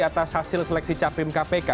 atas hasil seleksi capim kpk